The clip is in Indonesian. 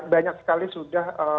banyak sekali sudah